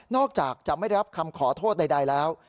อกจากจะไม่รับคำขอโทษใดแล้ว